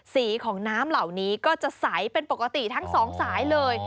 สีของน้ำเหล่านี้ก็จะใสเป็นปกติทั้งสองสายเลย